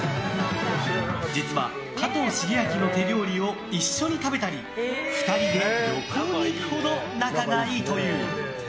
実は、加藤シゲアキの手料理を一緒に食べたり２人で旅行に行くほど仲がいいという。